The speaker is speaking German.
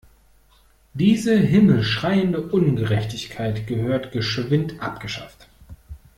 Diese himmelschreiende Ungerechtigkeit gehört geschwind abgeschafft.